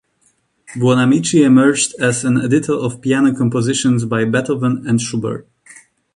Buonamici emerged as an editor of piano compositions by Beethoven and Schubert.